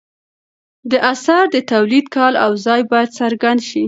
د اثر د تولید کال او ځای باید څرګند شي.